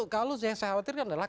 kalau yang saya khawatirkan adalah